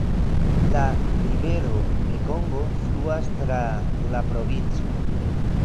La rivero Mekongo fluas tra la provinco.